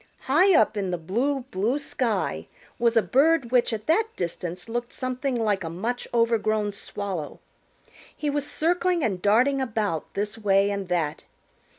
High up in the blue, blue sky was a bird which at that distance looked something like a much overgrown Swallow. He was circling and darting about this way and that.